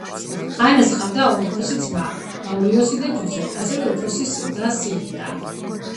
ანას ჰყავს ორი უფროსი ძმა მაურისიო და ჯუზეპე, ასევე უფროსი და სილვია.